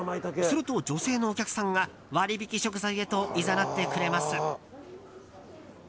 すると、女性のお客さんが割引食材へといざなってくれます。